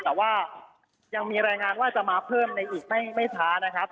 แต่ว่ายังมีรายงานว่าจะมาเพิ่มในอีกไม่ช้านะครับ